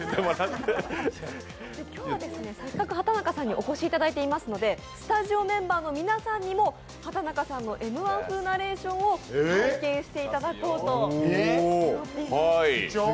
今日はせっかく畑中さんにお越しいただいていますのでスタジオメンバーの皆さんにも畑中さんのＭ−１風ナレーションを体験していただこうと思います。